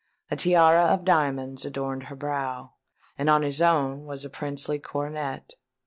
A tiara of diamonds adorned her brow and on his own was a princely coronet.